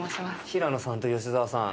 平野さんと澤さん